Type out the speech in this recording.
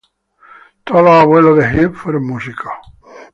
Todos los abuelos de Hudgens fueron músicos.